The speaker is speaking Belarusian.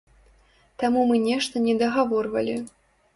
Таму мы нешта не дагаворвалі.